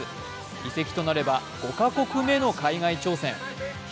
移籍となれば５か国目の海外挑戦。